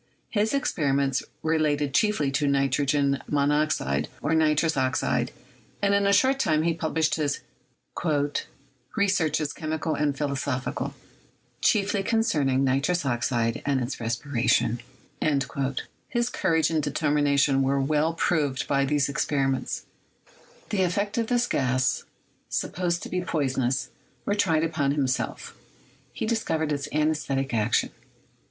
His experiments related chiefly to nitrogen monoxide, or nitrous oxide, and in a short time he published his "Researches Chemical and Philo sophical, chiefly concerning Nitrous Oxide and its Res piration." His courage and his determination were well ATOMIC THEORY— WORK OF DAVY 189 proved by these experiments. The effects of this gas, supposed to be poisonous, were tried upon himself. He discovered its anesthetic action.